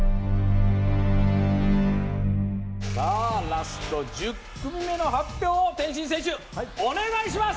さあ、ラスト１０組目の発表を天心選手、お願いします！